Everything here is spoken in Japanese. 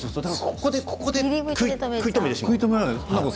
ここで食い止めるんです。